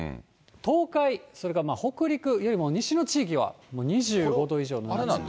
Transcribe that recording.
東海、それから北陸よりも西の地域は、もう２５度以上の夏日。